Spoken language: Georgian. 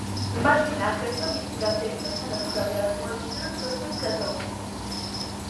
მაშინ აგრეთვე მისი რამდენიმე თანამგზავრი აღმოაჩინა და სურათები გადაუღო.